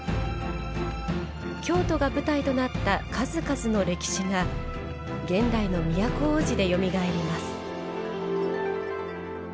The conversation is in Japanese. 京都が舞台となった数々の歴史が現代の都大路でよみがえります。